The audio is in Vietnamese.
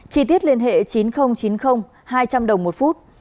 chi tiết liên hệ chín nghìn chín mươi hai trăm linh đồng một phút